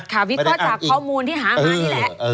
วิเคราะห์จากข้อมูลที่หามานี่แหละ